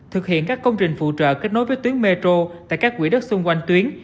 thực hiện các công trình phụ trợ kết nối với tuyến metro tại các quỹ đất xung quanh tuyến